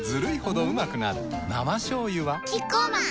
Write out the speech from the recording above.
生しょうゆはキッコーマン